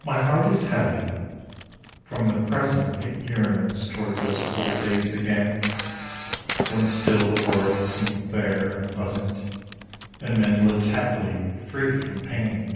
My heart is heavy; from the present It yearns towards those old days again, When still the world seemed fair and pleasant, And men lived happy, free from pain.